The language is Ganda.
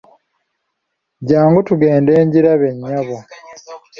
Jjangu tugende ngirabe nnyabo.